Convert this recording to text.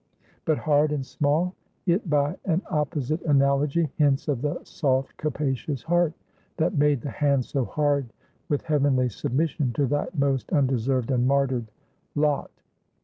But hard and small, it by an opposite analogy hints of the soft capacious heart that made the hand so hard with heavenly submission to thy most undeserved and martyred lot.